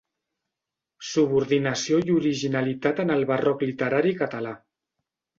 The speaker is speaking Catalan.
«Subordinació i originalitat en el Barroc literari Català.